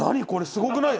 すごくない？